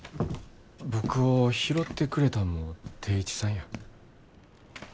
僕を拾ってくれたんも定一さんや。